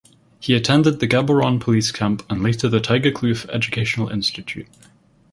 He attended the Gaborone Police Camp and later the Tiger Kloof Educational Institute.